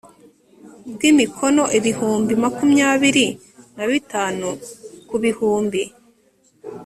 bw imikono ibihumbi makumyabiri na bitanu ku bihumbi